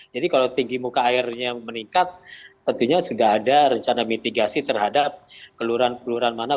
jadi kalau tinggi muka airnya meningkat tentunya sudah ada rencana mitigasi terhadap keluran keluran mana